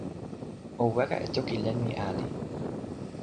o weka e toki len mi ali.